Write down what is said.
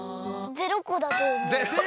０こだとおもう！